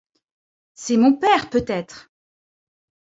C’est mon père peut-être!